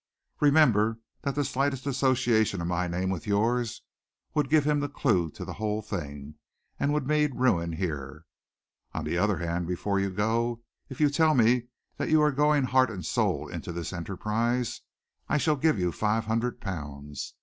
Remember that the slightest association of my name with yours would give him the clue to the whole thing, and would mean ruin here. On the other hand, before you go, if you tell me that you are going heart and soul into this enterprise, I shall give you five hundred pounds.